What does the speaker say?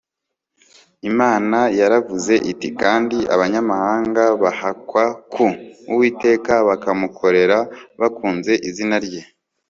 imana yaravuze iti kandi abanyamahanga bahakwa ku uwiteka bakamukorera bakunze izina rye